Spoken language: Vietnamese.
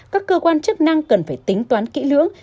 các cơ quan chức năng cần phải tính toán kỹ lưỡng